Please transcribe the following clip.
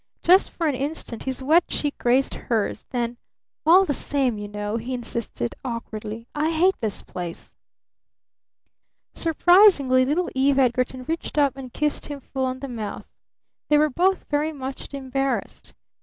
Just for an instant his wet cheek grazed hers, then: "All the same, you know," he insisted awkwardly, "I hate this place!" Surprisingly little Eve Edgarton reached up and kissed him full on the mouth. They were both very much embarrassed.